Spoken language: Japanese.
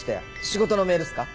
仕事のメールっすか？